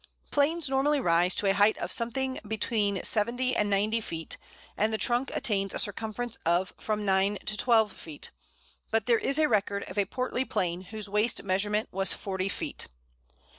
Planes normally rise to a height of something between seventy and ninety feet, and the trunk attains a circumference of from nine to twelve feet; but there is a record of a portly Plane whose waist measurement was forty feet!